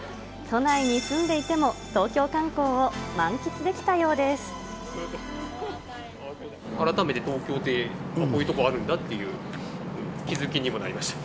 都内に住んでいても東京観光改めて東京って、こういう所があるんだっていう気付きにもなりました。